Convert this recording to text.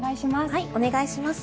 お願いします。